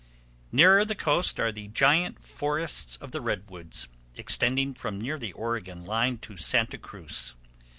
Nearer the coast are the giant forests of the redwoods, extending from near the Oregon line to Santa Cruz.